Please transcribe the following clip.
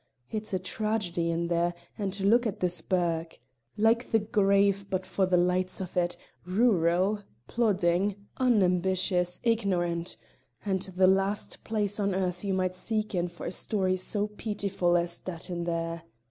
It's a tragedy in there, and look at this burgh! like the grave but for the lights of it; rural, plodding, unambitious, ignorant and the last place on earth you might seek in for a story so peetiful as that in there.